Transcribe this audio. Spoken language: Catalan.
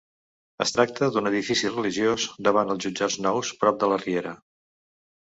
Es tracta d'un edifici religiós davant els jutjats nous, prop de la Riera.